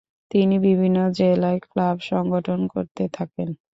তিনি বিভিন্ন জেলায় ক্লাব সংগঠন করতে থাকেন।